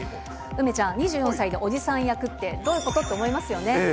梅ちゃん、２４歳のおじさん役って、どういうこと？って思いますよね。